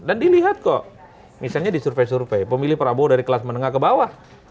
dan dilihat kok misalnya disurvey survey pemilih prabowo dari kelas menengah ke bawah